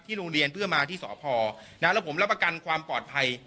โรงเรียนเพื่อมาที่สพนะแล้วผมรับประกันความปลอดภัย